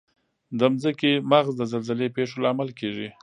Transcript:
د ځمکې مغز د زلزلې پېښو لامل کیږي.